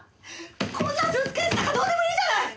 こんなスーツケースなんかどうでもいいじゃない！